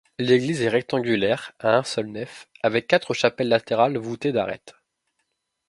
L'église est rectangulaire, à une seule nef avec quatre chapelles latérales voûtées d'arêtes.